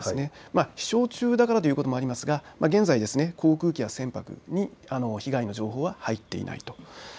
飛しょう中だからということもありますが現在、航空機や船舶に被害の情報は入っていないと。